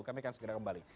kami akan segera kembali